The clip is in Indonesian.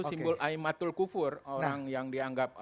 simbol aymatul kufur orang yang dianggap